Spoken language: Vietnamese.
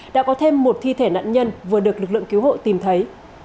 đã có thêm một thi thể nạn nhân vừa được lực lượng cứu hộ tìm thấy